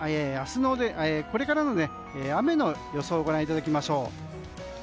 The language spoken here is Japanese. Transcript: では、これからの雨の予想をご覧いただきましょう。